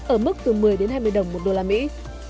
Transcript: ở mức từ một mươi đến hai mươi đồng một đô la mỹ